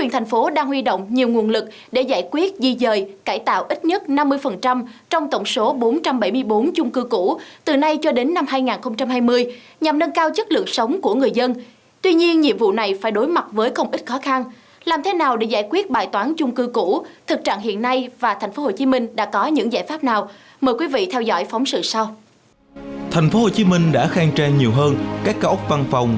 thành phố hồ chí minh đã khang trang nhiều hơn các cao ốc văn phòng